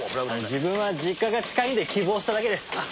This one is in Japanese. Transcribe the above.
自分は実家が近いので希望しただけです。